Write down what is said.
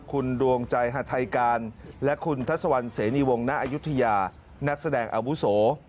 คุณดวงใจหาทัยการและคุณทัศวรรณเสนีวงณอายุทยานักแสดงอาวุโส